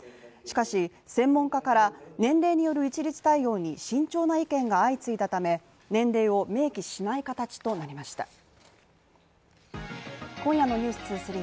しかし、専門家から年齢による一律対応に慎重な意見が相次いだため年齢を明記しない形となりました。